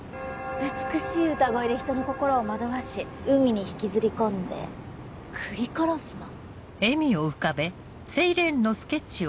美しい歌声で人の心を惑わし海に引きずり込んで食い殺すの。